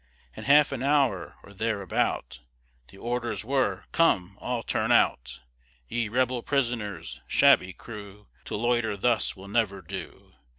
In half an hour or thereabout, The orders were, "Come, all turn out! Ye rebel prisoners, shabby crew, To loiter thus will never do."